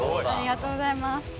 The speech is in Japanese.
ありがとうございます。